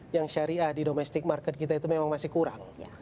yang syariah di domestic market kita itu memang masih kurang